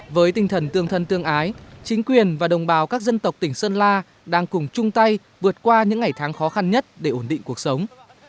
với tinh thần tương thân tương ái chính quyền và đồng bào các dân tộc tỉnh sơn la đang cùng chung tay vượt qua những ngày tháng khó khăn nhất để ổn định cuộc sống